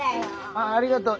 あっありがとう。